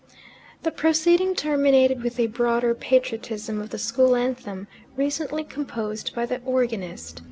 The proceeding terminated with the broader patriotism of the school anthem, recently composed by the organist.